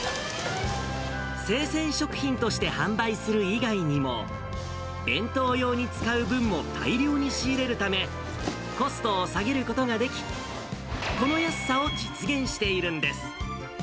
生鮮食品として販売する以外にも、弁当用に使う分も大量に仕入れるため、コストを下げることができ、この安さを実現しているんです。